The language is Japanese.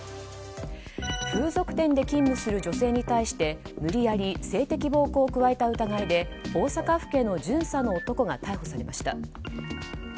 風俗店で勤務する女性に対して無理やり性的暴行を加えた疑いで大阪府警の巡査の男が逮捕されました。